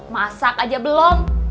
masak aja belum